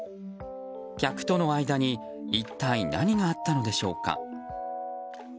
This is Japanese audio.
客との間に一体何があったのでしょうか。